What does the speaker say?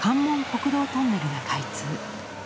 国道トンネルが開通。